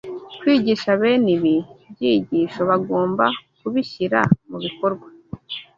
kwigisha bene ibi byigisho, bagomba kubishyira mu bikorwa